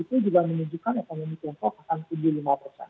itu juga menunjukkan ekonomi tiongkok akan tinggi lima